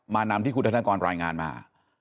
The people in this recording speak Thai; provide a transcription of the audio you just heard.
นำที่คุณธนกรรายงานมา